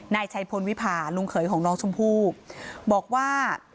นายชัยพลวิพาลุงเขยของน้องชมพู่บอกว่า